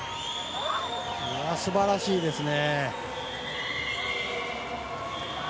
すばらしいですね。